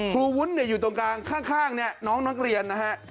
ครูวุ้นอยู่ตรงกลางข้างน้องน้องเรียนนะฮะ